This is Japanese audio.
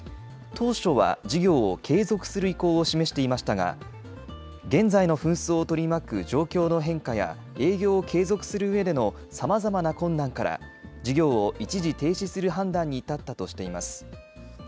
当初は事業を継続する意向を示していましたが、現在の紛争を取り巻く状況の変化や、営業を継続するうえでのさまざまな困難から、事業を一時停止する判断に至ったとしています。